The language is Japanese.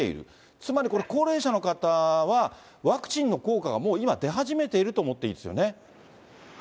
つまりこの高齢者の方は、ワクチンの効果がもう今、出始めていると思っていいですよね。